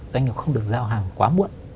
doanh nghiệp không được giao hàng quá muộn